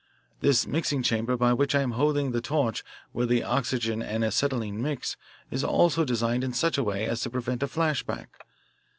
This mixing chamber by which I am holding the torch, where the oxygen and acetylene mix, is also designed in such a way as to prevent a flash back.